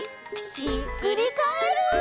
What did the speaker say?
ひっくりカエル！